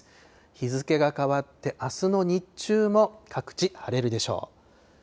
日付が変わってあすの日中も、各地晴れるでしょう。